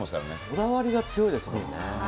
こだわりが強いですもんね。